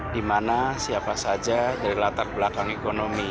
di mana siapa saja dari latar belakang ekonomi